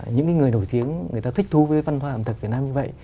những người nổi tiếng người ta thích thú với văn hóa ẩm thực việt nam như vậy